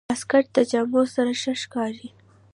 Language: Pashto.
واسکټ د جامو سره ښه ښکاري.